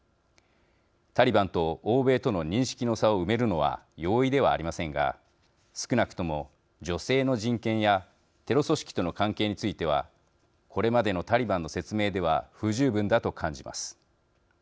タリバンと欧米との認識の差を埋めるのは容易ではありませんが少なくとも女性の人権やテロ組織との関係についてはこれまでのタリバンの説明では不十分だと感じます。